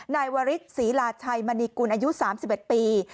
นายวาริสศรีลาชัยมณีกุลอายุสามสิบเอ็ดปี